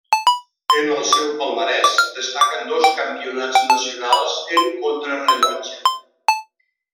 En el seu palmarès destaquen dos campionats nacionals en contrarellotge.